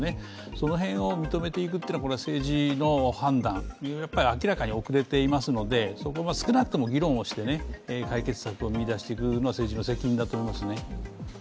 その辺を認めていくというのは政治の判断、明らかに遅れていますのでそこは少なくとも議論をして解決策を見いだしていくのは政治の責任だと思いますね。